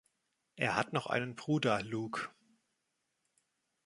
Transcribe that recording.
Er hat noch einen Bruder, Luke.